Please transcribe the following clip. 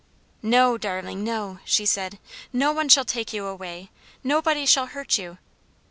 "No, darling, no," she said, "no one shall take you away; nobody shall hurt you."